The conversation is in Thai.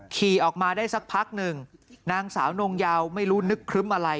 ขี่ออกมาได้สักพักหนึ่งนางสาวนงเยาไม่รู้นึกครึ้มอะไร